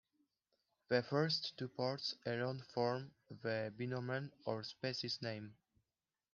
The first two parts alone form the binomen or species name.